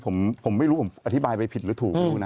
ผมไม่รู้ผมอธิบายไปผิดหรือถูกไม่รู้นะ